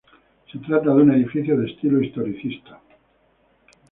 Se trata de un edificio de estilo historicista.